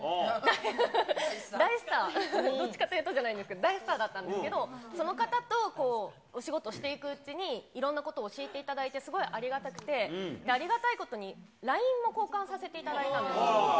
どっちかというんじゃなくて、大スターだったんですけど、その方とお仕事していくうちに、いろんなことを教えていただいて、すごいありがたくて、ありがたいことに、ＬＩＮＥも交換させてもらったんです。